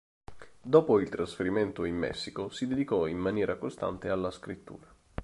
Dopo il trasferimento in Messico, si dedicò in maniera costante alla scrittura.